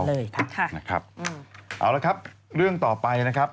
เอาละครับเรื่องต่อไปนะครับ